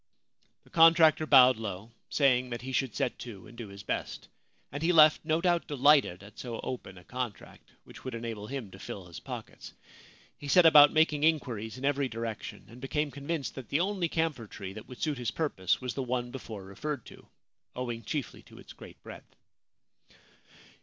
The contractor bowed low, saying that he should set to and do his best ; and he left, no doubt, delighted at so open a contract, which would enable him to fill his pockets. He set about making inquiries in every direction, and became convinced that the only camphor tree that would suit his purpose was the one before referred to — owing chiefly to its great breadth.